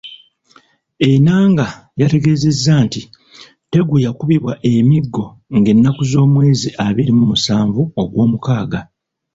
Enanga yategeezezza nti Tegu yakubibwa emiggo ng'ennaku z'omwezi abiri mu musanvu Ogwomukaaga.